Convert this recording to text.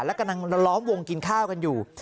และกำลังล้อมวงกินข้าวกันอยู่